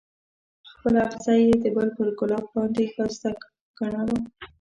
خپل اغزی یې د بل پر ګلاب باندې ښایسته ګڼلو.